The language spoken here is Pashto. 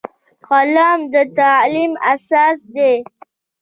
قلم د تعلیم اساس دی